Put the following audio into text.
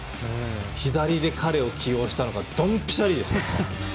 左に彼を起用したのがドンピシャリですね。